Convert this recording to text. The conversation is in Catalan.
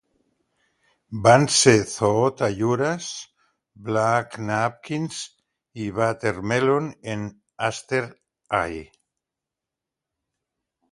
Van ser Zoot Allures, Black Napkins i Watermelon in Easter Hay.